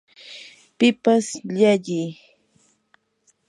pipas llalliy ganar, vencer